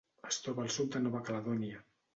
Es troba al sud de Nova Caledònia.